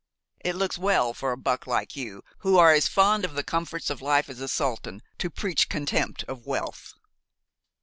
It looks well for a buck like you, who are as fond of the comforts of life as a sultan, to preach contempt of wealth!"